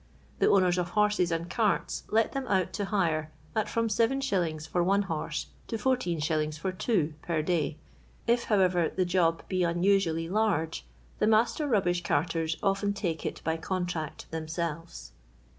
The owners of horses and carts let them out to hire at from 7#. for one horse, to lis, for two per day. I^ however, the job be no usually large, the master rubbish carters often take it by contract themselves.